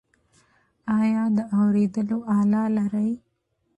ایا د اوریدلو آله لرئ؟